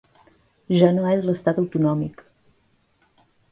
Ja no és l’estat autonòmic.